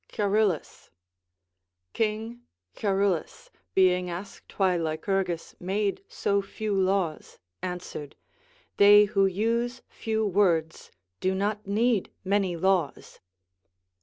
Charillus. King Charillus, being asked why Lycurgus made so few laws, answered, They who use few words do not need many laws.